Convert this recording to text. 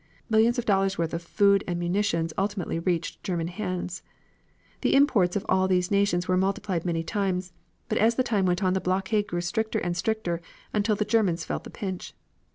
Millions of dollars' worth of food and munitions ultimately reached German hands. The imports of all these nations were multiplied many times, but as the time went on the blockade grew stricter and stricter until the Germans felt the pinch.